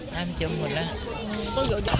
น้ำจุ่มหมดแล้ว